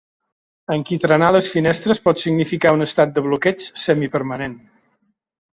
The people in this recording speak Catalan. Enquitranar les finestres pot significar un estat de bloqueig semipermanent.